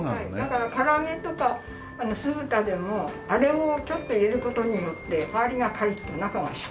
だから唐揚げとか酢豚でもあれをちょっと入れる事によって周りがカリッと中はしっとりって。